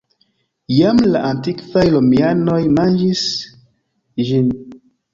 Jam la antikvaj romianoj manĝis ĝin.